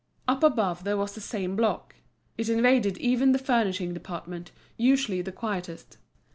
Up above there was the same block. It invaded even the furnishing department, usually the quietest.